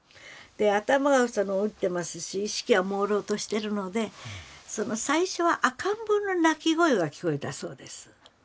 頭を打ってますし意識は朦朧としてるので最初は赤ん坊の泣き声が聞こえたそうです。